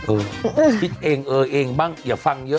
คิดเองเออเองบ้างอย่าฟังเยอะ